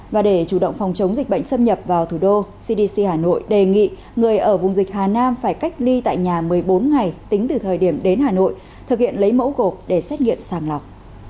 và để chủ động phòng chống dịch bệnh xâm nhập vào thủ đô cdc hà nội đề nghị người ở vùng dịch hà nam phải cách ly tại nhà một mươi bốn ngày tính từ thời điểm đến hà nội thực hiện lấy mẫu gộp để xét nghiệm sàng lọc